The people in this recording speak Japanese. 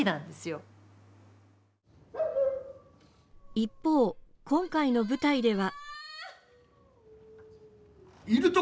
一方、今回の舞台では。